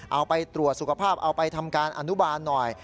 เอาไปตรวจสุขภาพเอาไปทำการอนุบาลหน่อย